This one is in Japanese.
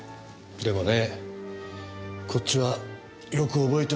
でもねこっちはよく覚えてますよ。